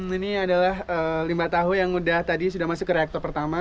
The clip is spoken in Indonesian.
ini adalah limba tahu yang tadi sudah masuk ke reaktor pertama